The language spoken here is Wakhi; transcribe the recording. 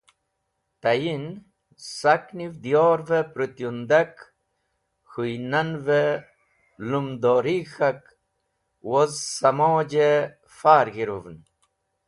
Tayinen sak niv diyor’v-e pũrũt yundak, k̃hũynan’v-e lũmdorig̃h k̃hak woz samoj-e far g̃hirũvn.